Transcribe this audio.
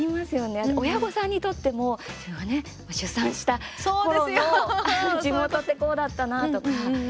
親御さんにとっても自分がね、出産したころの地元ってこうだったなとか。